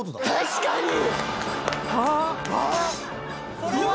確かに！